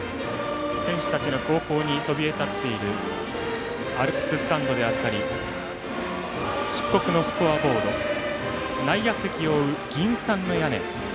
選手たちの後方にそびえ立っているアルプススタンドであったり漆黒のスコアボード内野席を覆う銀傘の屋根。